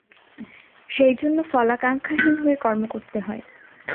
সেইজন্য ফলাকাঙ্ক্ষাহীন হয়ে কর্ম করতে হয়।